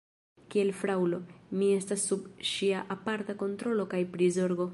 Kiel fraŭlo, mi estas sub ŝia aparta kontrolo kaj prizorgo.